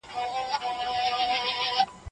کمر راپرېوته زرې زرې يې کړمه